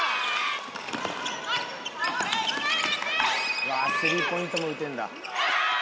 うわぁ３ポイントも打てんだ。